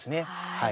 はい。